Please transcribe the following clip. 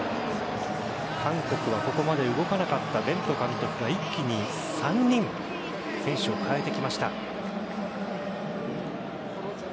韓国はここまで動かなかったベント監督が一気に３人選手を代えてきました。